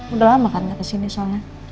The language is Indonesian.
udah lama kan kesini soalnya